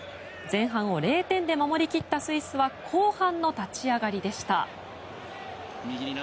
前半を０点で守りきったスイスは後半の立ち上がりでした。